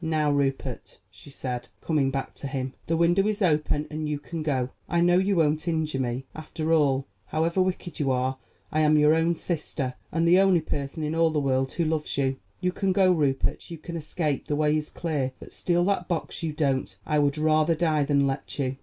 "Now, Rupert," she said, coming back to him, "the window is open, and you can go. I know you won't injure me, for, after all, however wicked you are, I am your own sister, and the only person in all the world who loves you. You can go, Rupert; you can escape; the way is clear. But steal that box you don't; I would rather die than let you."